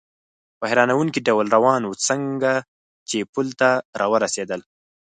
په حیرانوونکي ډول روان و، څنګه چې پل ته را ورسېدل.